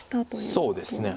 そうですね。